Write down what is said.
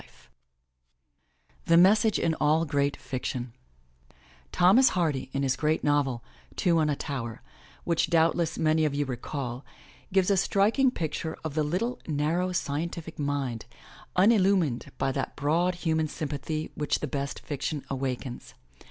201 M Y BOOK HOUSE THE MESSAGE IN ALL GREAT FICTION Thomas Hardy in his great novel, Two on a Tower ^ which doubtless many of you recall, gives a striking picture of the little, narrow, scientific mind, unillumined by that broad human sym pathy which the best fiction awakens.